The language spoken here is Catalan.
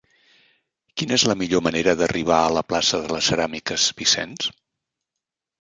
Quina és la millor manera d'arribar a la plaça de les Ceràmiques Vicens?